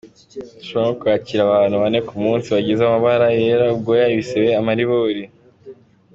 "Dushobora nko kwakira abantu bane ku munsi bagize amabara yera, ubwoya, ibisebe, amaribori.